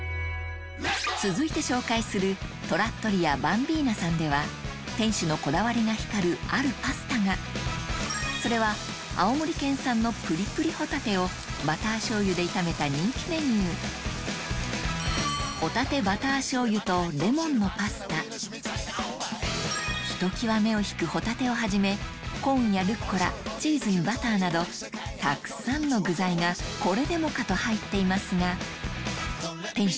続いて紹介するトラットリア・バンビーナさんでは店主のこだわりが光るあるパスタがそれは青森県産のぷりぷりホタテをバターしょうゆで炒めた人気メニューひときわ目を引くホタテをはじめコーンやルッコラチーズにバターなどたくさんの具材がこれでもかと入っていますが店主